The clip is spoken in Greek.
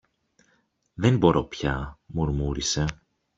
Δεν μπορώ πια, μουρμούρισε.